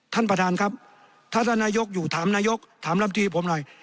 ท่านประธานครับถ้าท่านนายกอยู่ถามนายกถามลำตีผมหน่อย